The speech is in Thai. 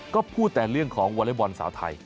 ก็พูดแต่เรื่องของวอเล็กบอลสาวไทย